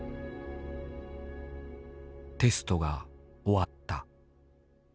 テストが終わった。